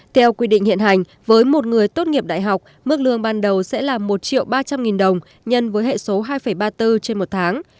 theo quy định hiện hành với một người tốt nghiệp đại học mức lương ban đầu sẽ là một triệu ba trăm linh nghìn đồng nhân với hệ số hai ba mươi bốn trên một tháng